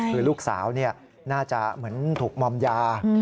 คือลูกสาวน่าจะเหมือนถูกมอมยา